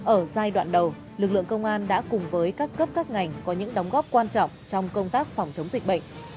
ở giai đoạn đầu lực lượng công an đã cùng với các cấp các ngành có những đóng góp quan trọng trong công tác phòng chống dịch bệnh